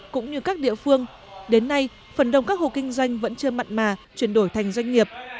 cũng như các địa phương đến nay phần đông các hộ kinh doanh vẫn chưa mặn mà chuyển đổi thành doanh nghiệp